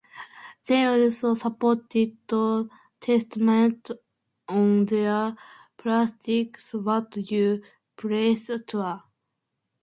They also supported Testament on their "Practice What You Preach" tour.